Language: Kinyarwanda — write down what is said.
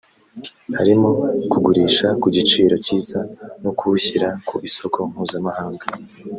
harimo kugurisha ku giciro cyiza no kuwushyira ku isoko mpuzamahanga